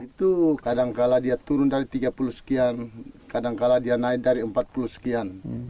itu kadangkala dia turun dari tiga puluh sekian kadangkala dia naik dari empat puluh sekian